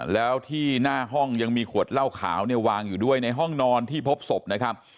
แล้วที่หน้าห้องยังมีขวดเหล้าขาวเนี่ยวางอยู่ด้วยในห้องนอนที่พบศพนะครับ